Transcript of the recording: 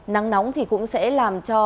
nắng nóng thì cũng sẽ làm cho